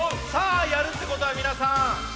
さあやるってことはみなさん